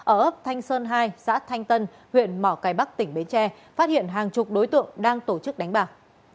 ở ấp thanh sơn hai xã thanh tân huyện mỏ cải bắc tỉnh bến tre phát hiện hàng chục đối tượng đang tổ chức đánh bạc